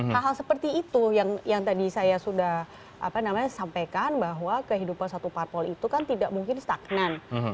hal hal seperti itu yang tadi saya sudah sampaikan bahwa kehidupan satu parpol itu kan tidak mungkin stagnan